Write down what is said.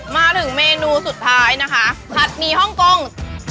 มาถึงเมนูสุดท้ายนะคะผัดหมี่ฮ่องกง